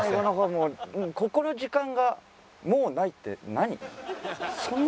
もう「ここの時間がもうない」って何？